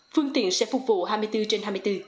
phương tiện sẽ phục vụ hai mươi bốn trên hai mươi bốn